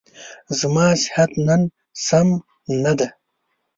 زما صحت نن سم نه دی.